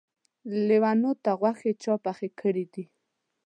لېوانو ته غوښې چا پخې کړی دي.